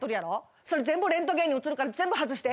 それ全部レントゲンに写るから全部外して。